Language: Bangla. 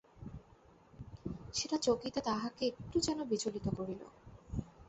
সেটা চকিতে তাহাকে একটু যেন বিচলিত করিল।